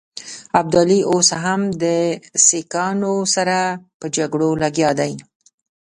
ابدالي اوس هم د سیکهانو سره په جګړو لګیا دی.